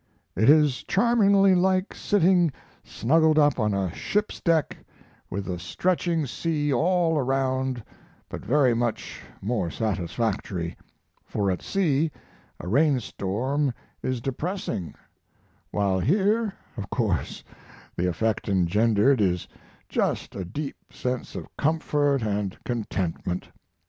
It is charmingly like sitting snuggled up on a ship's deck with the stretching sea all around but very much more satisfactory, for at sea a rainstorm is depressing, while here of course the effect engendered is just a deep sense of comfort & contentment.